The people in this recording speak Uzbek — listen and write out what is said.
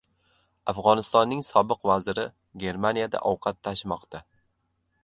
Afg‘onistonning sobiq vaziri Germaniyada ovqat tashimoqda